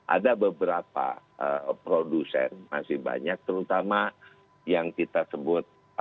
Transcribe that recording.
ada beberapa produsen masih banyak terutama yang kita sebut